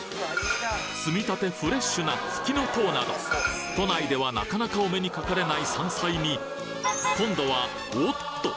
摘みたてフレッシュなふきのとうなど都内では中々お目にかかれない山菜に今度はおっと！？